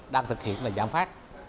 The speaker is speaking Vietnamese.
đang thực hiện là giảm phát